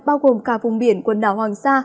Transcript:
bao gồm cả vùng biển quần đảo hoàng sa